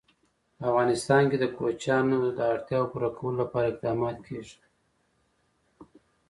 په افغانستان کې د کوچیان د اړتیاوو پوره کولو لپاره اقدامات کېږي.